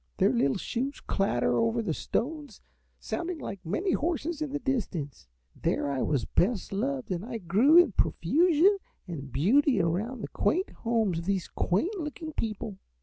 Their little shoes clatter over the stones, sounding like many horses in the distance. There I was best loved and grew in profusion and beauty around the quaint homes of these quaint looking people.